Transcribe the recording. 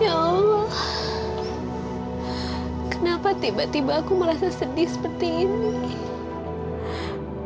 ya kenapa tiba tiba aku merasa sedih seperti ini